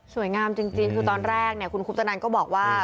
สวยงามจริงคือตอนแรกคุณคุพธนันก็บอกว่า